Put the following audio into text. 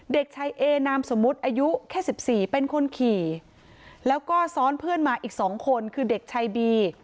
เด็กชายเอนามสมมุติอายุแค่สิบสี่เป็นคนขี่แล้วก็ซ้อนเพื่อนมาอีกสองคนคือเด็กชายบี